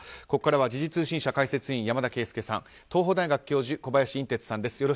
ここからは時事通信社解説委員山田惠資さん東邦大学教授小林寅てつさんです。